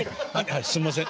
すんません。